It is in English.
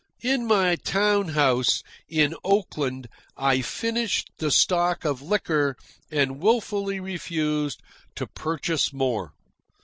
In my town house, in Oakland, I finished the stock of liquor and wilfully refused to purchase more.